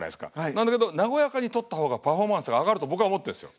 なんだけど和やかに撮った方がパフォーマンスが上がると僕は思ってるんですよ。